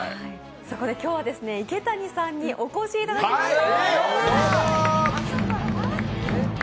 そこで今日は池谷さんにお越しいただきました。